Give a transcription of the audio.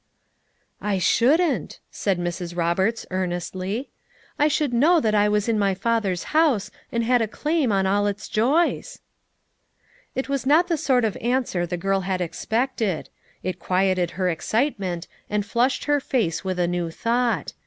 "I shouldn't," said Mrs. Roberts earnestly. "I should know that I was in my Father's house and had a claim on all its joys." It was not the sort of answer the girl had ex pected. It quieted her excitement, and flushed her face with a new thought.